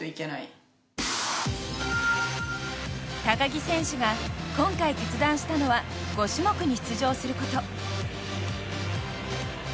高木選手が今回決断したのは５種目に出場すること。